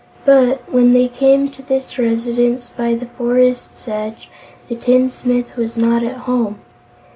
But, when they came to this residence by the forest's edge, the tinsmith was not at home.